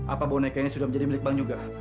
apa boneka ini sudah menjadi milik bank juga